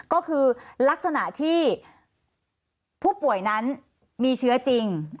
ก็คือลักษณะที่ผู้ป่วยนั้นมีเชื้อจริง